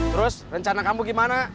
terus rencana kamu gimana